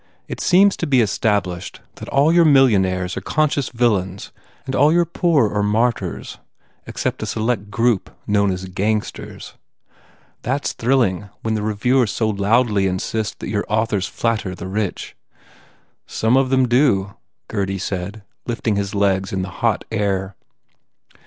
It seems to be established that all your millionaires are conscious villains and all your poor are martyrs except a select group known as gangsters. That s thrilling when the reviewers so loudly insist that your authors flatter the rich." "Some of them do," Gurdy said, lifting his legs in the hot air.